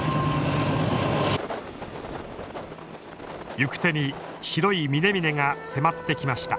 行く手に白い峰々が迫ってきました。